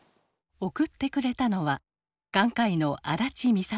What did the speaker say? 送ってくれたのは眼科医の安達京さん。